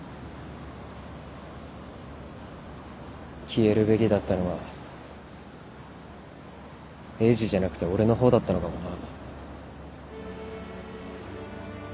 消えるべきだったのはエイジじゃなくて俺の方だったのかもな。